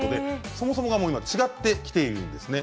そもそもが違ってきているんですね。